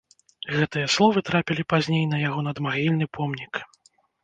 Гэтыя словы трапілі пазней на яго надмагільны помнік.